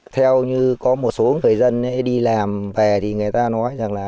theo như có một số người dân đi làm về thì người ta nói rằng là